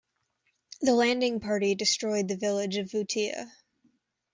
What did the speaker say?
The landing party destroyed the village of Vutia.